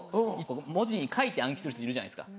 文字に書いて暗記する人いるじゃないですか。